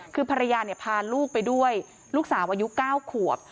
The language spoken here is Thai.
คือภรรยาพาลูกไปด้วยลูกสาวอายุ๙ขวบ